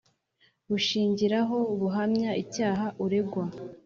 Bushingiraho buhamya icyaha uregwa